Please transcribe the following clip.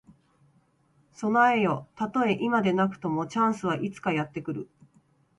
備えよ。たとえ今ではなくとも、チャンスはいつかやって来る。